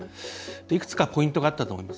いくつかポイントがあったと思います。